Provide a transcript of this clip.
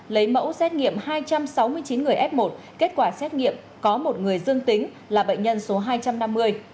lấy mẫu xét nghiệm hai trăm sáu mươi chín người f một kết quả xét nghiệm có một người dương tính là bệnh nhân số hai trăm năm mươi